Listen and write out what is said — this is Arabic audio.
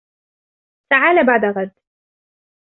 تعال بعد غد.